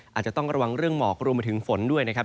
อาจจะต้องระวังเรื่องหมอกรวมไปถึงฝนด้วยนะครับ